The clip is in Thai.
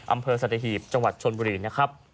อำเภอสัตหีบจังหวัดชนบุรีนะครับ